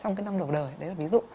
trong cái năm đầu đời đấy là ví dụ